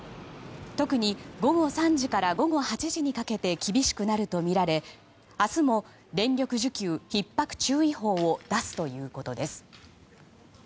特に午後３時から午後８時にかけて厳しくなるとみられ明日も電力需給ひっ迫注意報を出すということです。